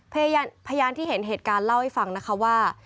พยานที่เห็นเหตุการณ์เล่าให้ฟังนะคะว่า